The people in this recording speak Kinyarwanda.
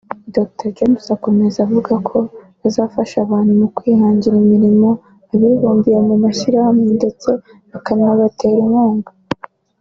Dr James akomeza avuga ko bazafasha abantu mu kwahangira imirimo abibumbiye mu mashyirahamwe ndetse bakanabatera inkunga